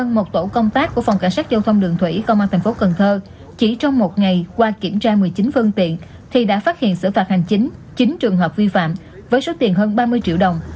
lực lượng cảnh sát đường thủy công an thành phố cần thơ chỉ trong một ngày qua kiểm tra một mươi chín phương tiện thì đã phát hiện sử phạt hành chính chín trường hợp vi phạm với số tiền hơn ba mươi triệu đồng